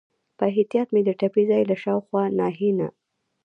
په احتیاط مې د ټپي ځای له شاوخوا ناحیې نه.